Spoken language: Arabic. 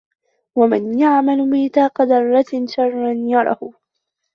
وَمَنْ يَعْمَلْ مِثْقَالَ ذَرَّةٍ شَرًّا يَرَهُ